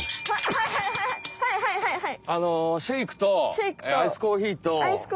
はいはいはいはいはい！